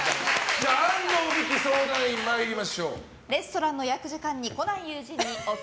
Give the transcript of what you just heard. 安藤美姫相談員、参りましょう。